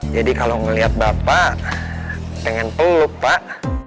jadi kalau ngeliat bapak pengen peluk pak